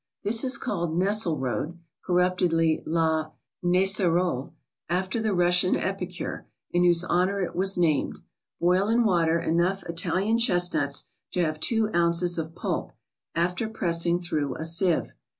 Thi ^ i: is called CSlILsKl^J Nesselrode (corruptedly, La Nicerolle) % after the Russian epicure, in whose honor it was named. Boil in water enough Italian chestnuts to have two ounces of pulp, after pressing through a sieve.